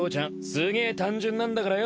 すげえ単純なんだからよ。